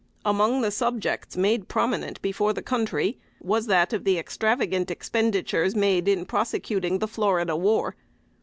Among the subjects made prominent before the country, was that of the extravagant expenditures in prosecuting the "Florida War."